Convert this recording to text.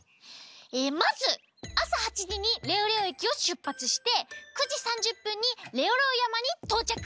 えまずあさ８じにレオレオ駅をしゅっぱつして９じ３０ぷんにレオレオやまにとうちゃく。